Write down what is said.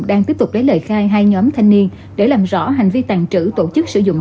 đang tiếp tục lấy lời khai hai nhóm thanh niên để làm rõ hành vi tàn trữ tổ chức sử dụng